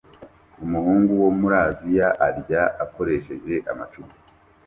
Umuhungu wo muri Aziya ararya akoresheje amacupa